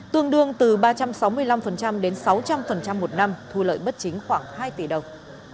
tương đương từ ba trăm sáu mươi năm đến sáu trăm linh một năm thu lợi bất chính khoảng hai tỷ đồng